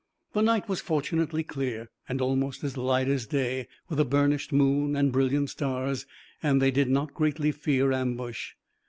The night was fortunately clear, almost as light as day, with a burnished moon and brilliant stars, and they did not greatly fear ambush.